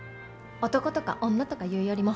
男とか女とか言うよりも。